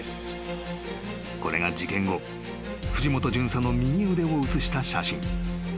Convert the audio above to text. ［これが事件後藤本巡査の右腕を写した写真］